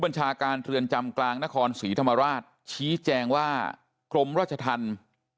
บัญชาการเรือนจำกลางนครศรีธรรมราชชี้แจงว่ากรมราชธรรม